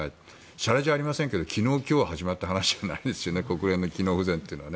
しゃれじゃありませんが昨日、今日始まった話じゃありませんよね国連の機能不全というのは。